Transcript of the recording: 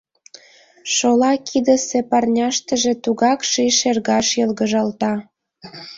Шола кидысе парняштыже тугак ший шергаш йылгыжалта.